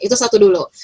itu satu dulu